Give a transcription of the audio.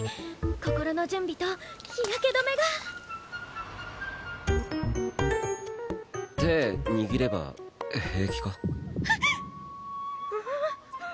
心の準備と日焼け止めが手握れば平気か？